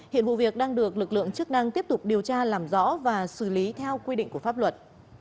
hiện vụ việc đang được lực lượng chức năng tiếp tục điều tra làm rõ và xử lý theo quy định của pháp luật